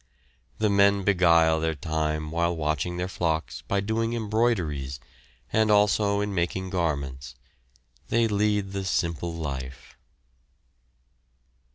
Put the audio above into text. The men beguile their time while watching their flocks by doing embroideries, and also in making garments. They lead the simple life.